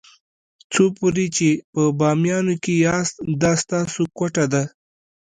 څو پورې چې په بامیانو کې یاست دا ستاسو کوټه ده.